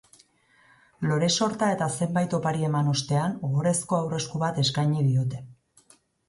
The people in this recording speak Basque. Lore sorta eta zenbait opari eman ostean, ohorezko aurresku bat eskaini diote.